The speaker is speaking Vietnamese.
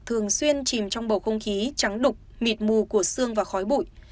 thường xuyên chìm trong bầu không khí trắng đục mịt mù của sương và khói bụi